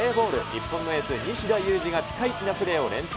日本のエース、西田有志がピカイチなプレーを連発。